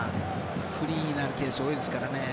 フリーになっているケースが多いですからね。